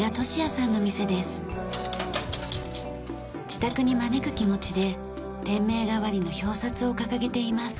自宅に招く気持ちで店名代わりの表札を掲げています。